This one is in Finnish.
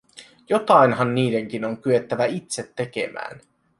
Jotainhan niidenkin on kyettävä itse tekemään.